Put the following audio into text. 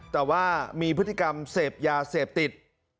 แต่ว่ามีพฤติกรรมเสพยาเสพติด